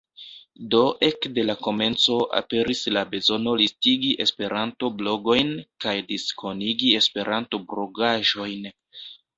Do ekde la komenco aperis la bezono listigi esperanto-blogojn kaj diskonigi esperanto-blogaĵojn.